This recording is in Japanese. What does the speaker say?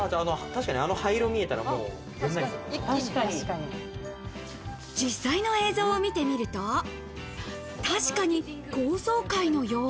確かに、あの灰色見えたら、実際の映像を見てみると、確かに高層階のよう。